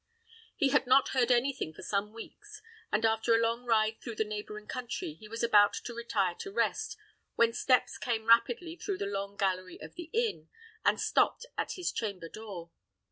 He had not heard any thing for some weeks; and after a long ride through the neighboring country, he was about to retire to rest, when steps came rapidly through the long gallery of the inn, and stopped at his chamber door.